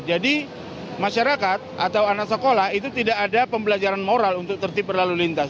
jadi masyarakat atau anak sekolah itu tidak ada pembelajaran moral untuk tertib berlalu lintas